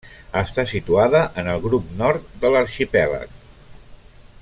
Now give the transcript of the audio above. Està situada en el grup nord de l'arxipèlag.